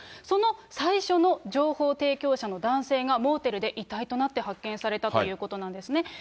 その最初の情報提供者の男性が、モーテルで遺体となって発見されたということなんですね。